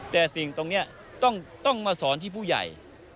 แต่สิ่งตรงนี้ต้องมาสอนที่ผู้ใหญ่